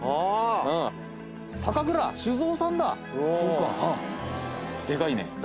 酒蔵酒造さんだ。